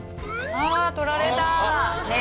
ああ取られた。